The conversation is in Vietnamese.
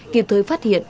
kịp thời phát hiện